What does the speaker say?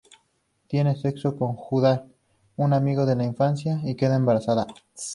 Tiene sexo con Judah, un amigo de la familia, y queda embarazada.